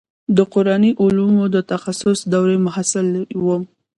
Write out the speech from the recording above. د قراني علومو د تخصص دورې محصل وم.